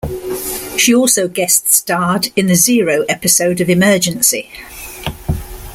She also guest-starred in the "Zero" episode of "Emergency!".